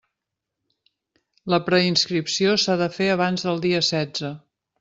La preinscripció s'ha de fer abans del dia setze.